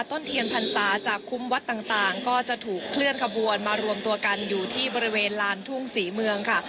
ต้นเทียนพรรษาจากคุ้มวัดต่างก็จะถูกเคลื่อนขบวนมารวมตัวกันอยู่ที่บริเวณลานทุ่งศรีเมืองค่ะ